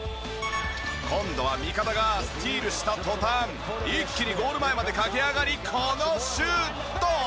今度は味方がスチールした途端一気にゴール前まで駆け上がりこのシュート。